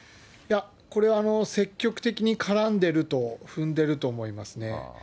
これ、積極的に絡んでると踏んでると思いますね。